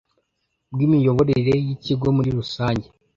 bw imiyoborere y ikigo muri rusange